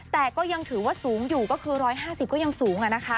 แต่ก็ยังถือว่าสูงอยู่ก็คือ๑๕๐ก็ยังสูง